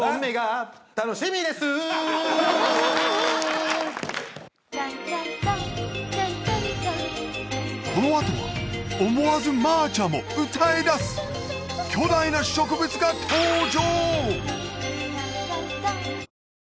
そうやこのあとは思わずマーチャも歌いだす巨大な植物が登場！